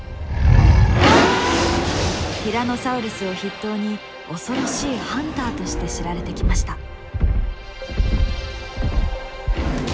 ティラノサウルスを筆頭に恐ろしいハンターとして知られてきました。